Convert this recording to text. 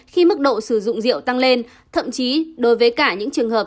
khi mức độ sử dụng rượu tăng lên thậm chí đối với cả những trường hợp